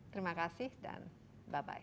terima kasih dan bye bye